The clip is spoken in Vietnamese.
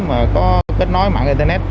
mà có kết nối mạng internet